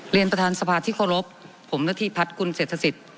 เรียนประธานสภาที่เคารพผมนาธิพัฒน์กุลเศรษฐศิษย์